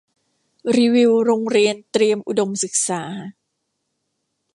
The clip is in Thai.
รีวิวโรงเรียนเตรียมอุดมศึกษา